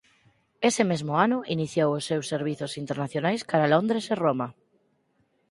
Ese mesmo ano iniciou os seus servizos internacionais cara Londres e Roma.